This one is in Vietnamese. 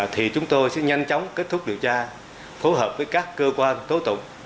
thì chúng tôi sẽ nhanh chóng kết thúc điều tra phối hợp với các cơ quan tố tụng